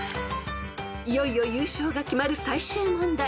［いよいよ優勝が決まる最終問題。